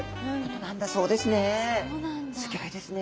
すギョいですね。